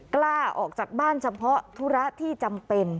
กล้าออกจากบ้านเฉพาะธุระที่จำเป็น